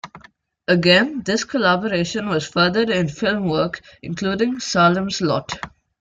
Again, this collaboration was furthered in film work, including "Salem's Lot".